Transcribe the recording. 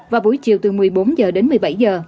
và buổi chiều từ một mươi bốn h đến một mươi bảy h